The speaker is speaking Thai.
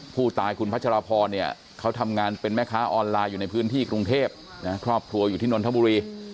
ผู้ตายคุณพัชรพรเนี่ยเขาทำงานเป็นแม่ค้าออนไลน์อยู่ในพื้นที่กรุงเทพครอบครัวอยู่ที่นนทบุรี